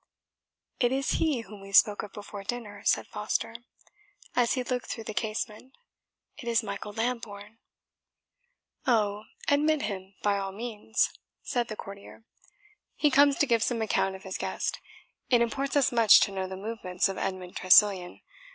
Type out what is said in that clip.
"It is he whom we spoke of before dinner," said Foster, as he looked through the casement; "it is Michael Lambourne." "Oh, admit him, by all means," said the courtier; "he comes to give some account of his guest; it imports us much to know the movements of Edmund Tressilian.